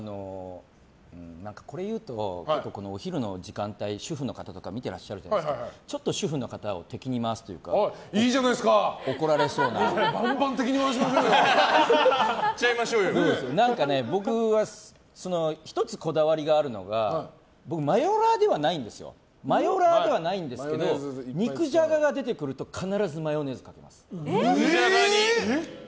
これを言うと、お昼の時間帯主婦の方とか見てらっしゃると思うのでちょっと主婦の方を敵に回すというかバンバン何か僕は１つこだわりがあるのがマヨラーではないんですけど肉じゃがが出てくると必ずマヨネーズをかけます。